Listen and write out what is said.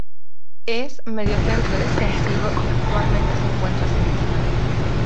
Es mediocentro defensivo y actualmente se encuentra sin equipo.